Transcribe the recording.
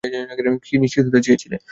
কী নিশ্চিত হতে চেয়েছিলে?